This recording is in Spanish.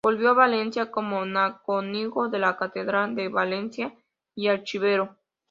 Volvió a Valencia como canónigo de la catedral de Valencia y archivero.